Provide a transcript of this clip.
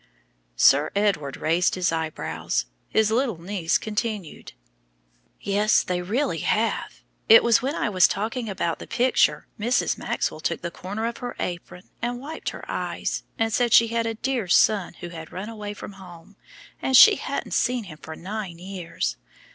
Sir Edward raised his eyebrows. His little niece continued: "Yes, they really have. It was when I was talking about the picture Mrs. Maxwell took the corner of her apron and wiped her eyes, and said she had a dear son who had run away from home, and she hadn't seen him for nine years.